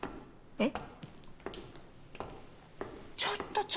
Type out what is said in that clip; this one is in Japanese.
えっ？